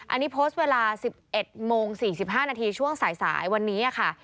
อันนี้โพสต์เวลา๑๑โมง๔๕นาทีช่วงสายวันนี้ค่ะ